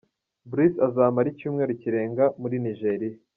Bruce azamara icyumweru kirenga muri Nigeria.